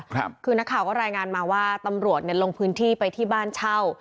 คือนักข่าวก็รายงานมาว่าตำรวจเนี่ยลงพื้นที่ไปที่บ้านเช่า